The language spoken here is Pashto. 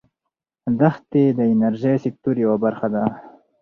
دښتې د انرژۍ سکتور یوه برخه ده.